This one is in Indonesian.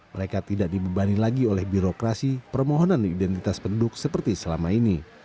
mereka tidak dibebani lagi oleh birokrasi permohonan identitas penduduk seperti selama ini